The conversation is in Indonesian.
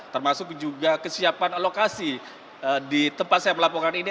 termasuk juga kesiapan lokasi di tempat saya melaporkan ini